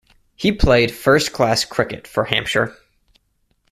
He played first-class cricket for Hampshire.